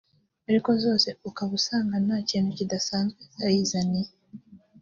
ariko zose ukaba usanga nta kintu kidasanzwe zayizaniye